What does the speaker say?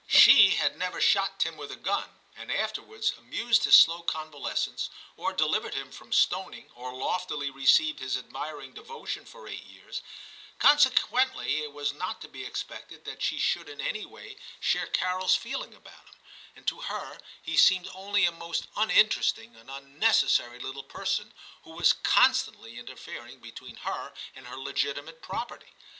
She had never shot Tim with a gun, and afterwards amused his slow convalescence, or delivered him from stoning, or loftily received his admiring devotion for eight years ; consequently it was not to be expected that she should in any XI TIM 25 s way share Carol's feeling about him ; and to her he seemed only a most uninteresting and unnecessary little person, who was constantly interfering between her and her legitimate property.